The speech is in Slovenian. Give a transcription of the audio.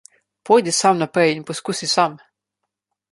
Pojdi sam naprej in poskusi sam.